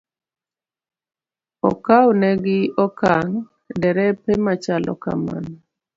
Okawnegi okang' derepe ma chalo kamano.